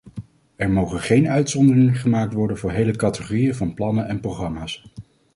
Er mogen geen uitzonderingen gemaakt worden voor hele categorieën van plannen en programma's.